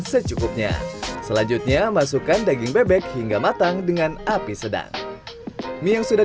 secukupnya selanjutnya masukkan daging bebek hingga matang dengan api sedang mie yang sudah